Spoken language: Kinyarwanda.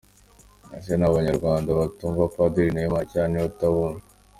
Ese ni abanyarwanda batumva Padiri Nahimana cyangwa niwe utabumva?